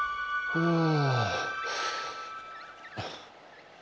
うん。